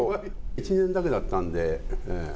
１年だけだったんで。